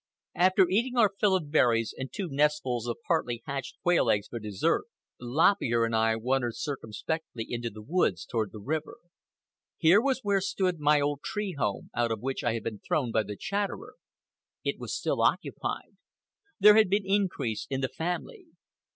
After eating our fill of berries, with two nestfuls of partly hatched quail eggs for dessert, Lop Ear and I wandered circumspectly into the woods toward the river. Here was where stood my old home tree, out of which I had been thrown by the Chatterer. It was still occupied. There had been increase in the family.